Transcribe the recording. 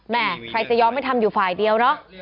แม่ใครจะยอมให้ทำอยู่ฝ่ายเดียวเนาะ